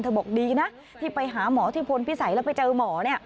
เธอบอกดีนะที่ไปหาหมอโทษพี่สัยแล้วไปเจอหมอ